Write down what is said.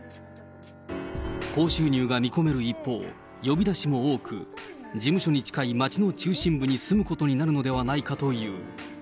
高収入が見込める一方、呼び出しも多く、事務所に近い街の中心部に住むことになるのではないかという。